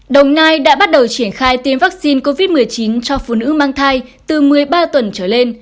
đồng nai đã bắt đầu triển khai tiêm vaccine covid một mươi chín cho phụ nữ mang thai từ một mươi ba tuần trở lên